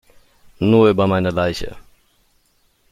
Nur über meine Leiche!